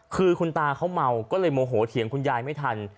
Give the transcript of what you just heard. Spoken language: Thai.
คือคุณตาเขาเมาก็เลยโมโหเถียงคุณยายไม่ทัน